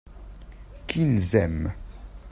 qu'ils aiment.